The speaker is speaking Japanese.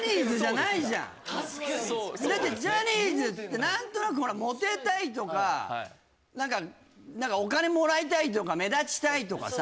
確かにそうそうですねだってジャニーズって何となくほらモテたいとか何かお金もらいたいとか目立ちたいとかさ